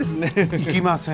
行きません。